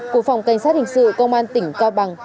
của phòng cảnh sát hình sự công an tỉnh cao bằng